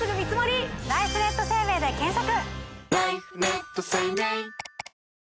ライフネット生命で検索！